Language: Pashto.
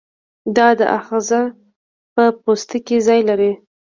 دا آخذه په پوستکي کې ځای لري.